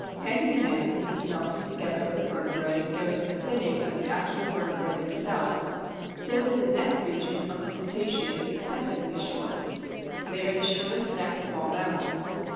Hand in hand with this melting together of the vertebrae goes a thinning of the actual vertebrae themselves, so that the neck region of the Cetacea is excessively short. They are the shortest necked of all mammals.